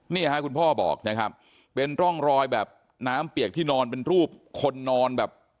นี่ฮะคุณพ่อบอกนะครับเป็นร่องรอยแบบน้ำเปียกที่นอนเป็นรูปคนนอนแบบ